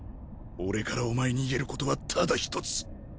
俺からお前に言えることはただ１つ。